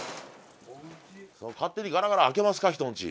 勝手にガラガラ開けますか人んち。